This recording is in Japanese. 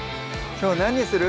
きょう何にする？